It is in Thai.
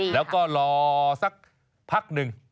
แล้วก็รอสักพักหนึ่ง